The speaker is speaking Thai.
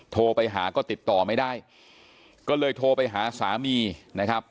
โทรไปหาก็ติดต่อไม่ได้ก็เลยโทรไปหาสามีนะครับ